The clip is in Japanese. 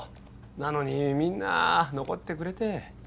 なのにみんな残ってくれて。